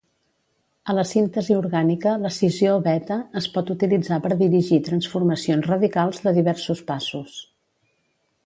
A la síntesi orgànica, l'escissió beta es pot utilitzar per dirigir transformacions radicals de diversos passos.